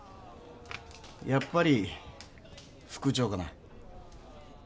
やっぱり副長かな。